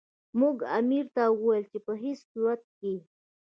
موږ امیر ته وویل چې په هیڅ صورت کې.